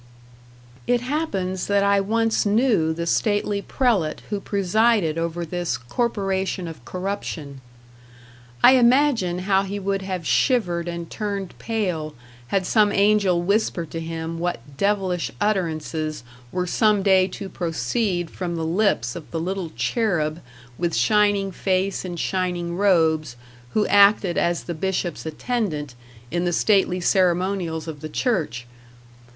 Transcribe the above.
It happens that I once knew the stately prelate who presided over this Corporation of Corruption. I imagine how he would have shivered and turned pale had some angel whispered to him what devilish utterances were some day to proceed from the lips of the little cherub with shining face and shining robes who acted as the bishop's attendant in the stately ceremonials of the Church!